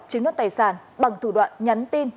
chiếm nốt tài sản bằng thủ đoạn nhắn tin